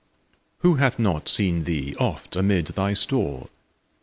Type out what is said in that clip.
Who hath not seen thee oft amid thy store?